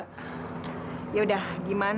tapi maklumlah pengalaman pertama bekerja